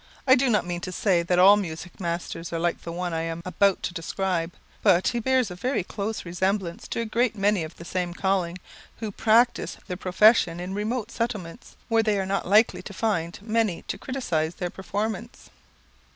I do not mean to say that all music masters are like the one I am about to describe, but he bears a very close resemblance to a great many of the same calling, who practise their profession in remote settlements, where they are not likely to find many to criticise their performance.